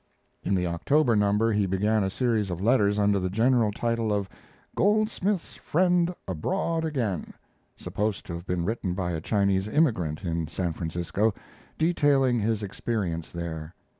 In the October number he began a series of letters under the general title of "Goldsmith's Friend Abroad Again," supposed to have been written by a Chinese immigrant in San Francisco, detailing his experience there.